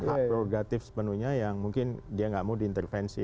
haktorogatif sepenuhnya yang mungkin dia nggak mau diintervensi